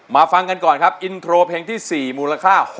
มาฟังกันก่อนครับอินโทรเพลงที่๔มูลค่า๖๐๐๐๐บาทมาเลยครับ